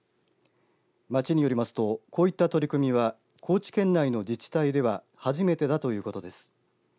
町によりますとこういった取り組みは高知県内の自治体では初めてだということです。